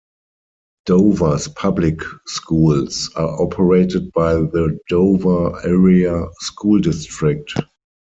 Dover's public schools are operated by the Dover Area School District.